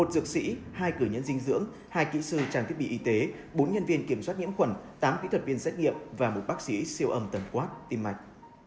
một dược sĩ hai cửa nhân dinh dưỡng hai kỹ sư trang thiết bị y tế bốn nhân viên kiểm soát nhiễm khuẩn tám kỹ thuật viên xét nghiệm và một bác sĩ siêu âm tẩm quát tim mạch